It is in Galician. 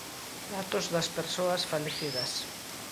Datos das persoas falecidas.